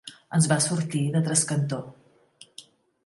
Ens va sortir de trascantó.